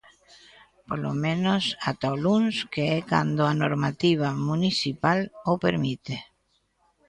Polo menos ata o luns, que é cando a normativa municipal o permite.